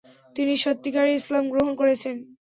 তিনি সত্যিকারে ইসলাম গ্রহণ করেছেন।